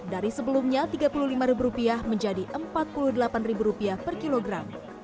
dari sebelumnya tiga puluh lima ribu rupiah menjadi empat puluh delapan ribu rupiah per kilogram